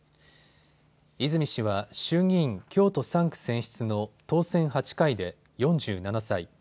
泉氏は衆議院京都３区選出の当選８回で４７歳。